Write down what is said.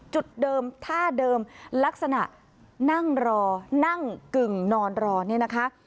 จุดเดิมท่าเดิมลักษณะนั่งรอนั่งกึ่งนอนรอเนี่ยนะคะ